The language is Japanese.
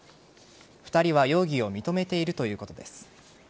２人は容疑を認めているということです。